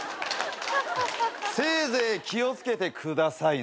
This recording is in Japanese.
せいぜい気を付けてくださいね。